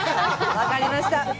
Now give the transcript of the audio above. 分かりました！